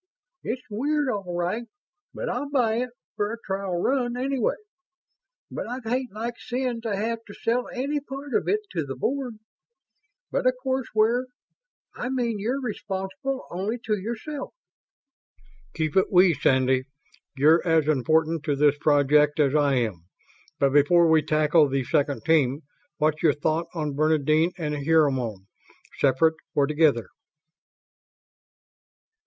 "It's weird, all right, but I'll buy it for a trial run, anyway. But I'd hate like sin to have to sell any part of it to the Board.... But of course we're I mean you're responsible only to yourself." "Keep it 'we', Sandy. You're as important to this project as I am. But before we tackle the second team, what's your thought on Bernadine and Hermione? Separate or together?"